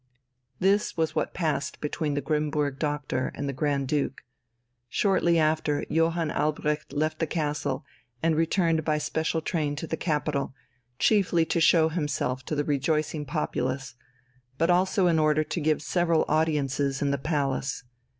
This was what passed between the Grimmburg doctor and the Grand Duke. Shortly after Johann Albrecht left the castle and returned by special train to the capital, chiefly to show himself to the rejoicing populace, but also in order to give several audiences in the palace.